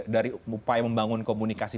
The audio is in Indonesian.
dari upaya membangun komunikasi